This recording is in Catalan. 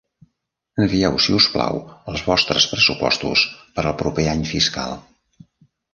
Envieu si us plau els vostres pressupostos per al proper any fiscal.